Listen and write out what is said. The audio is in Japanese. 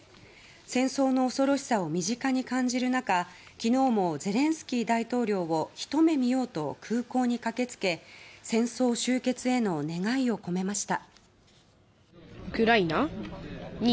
戦争の恐ろしさを身近に感じる中昨日もゼレンスキー大統領を一目見ようと空港に駆けつけ戦争終結への願いを込めました。